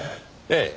ええ。